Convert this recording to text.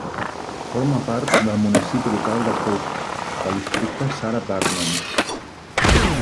Forma part del municipi local de Koug del districte Sarah Baartman.